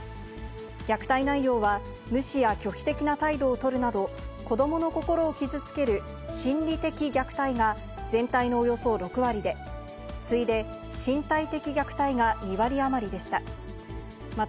虐待内容は、無視や拒否的な態度をとるなど、子どもの心を傷つける心理的虐待が全体のおよそ６割で、次いで、身体的虐待が２割余りでした。